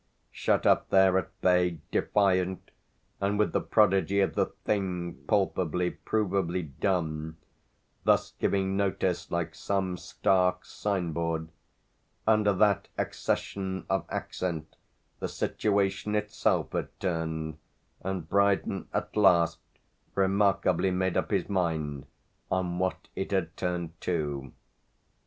Shut up there, at bay, defiant, and with the prodigy of the thing palpably proveably done, thus giving notice like some stark signboard under that accession of accent the situation itself had turned; and Brydon at last remarkably made up his mind on what it had turned to.